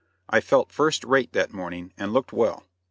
I felt first rate that morning, and looked well.